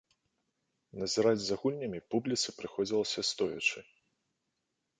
Назіраць за гульнямі публіцы прыходзілася стоячы.